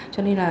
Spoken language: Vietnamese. cho nên là